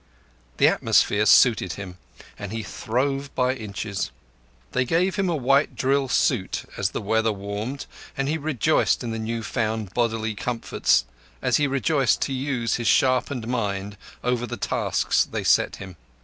The atmosphere suited him, and he throve by inches. They gave him a white drill suit as the weather warmed, and he rejoiced in the new found bodily comforts as he rejoiced to use his sharpened mind over the tasks they set him.